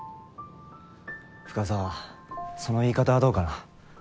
深沢その言い方はどうかな。